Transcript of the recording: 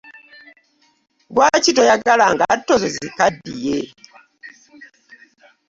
Lwaki toyagala ngatto zo zikaddiye?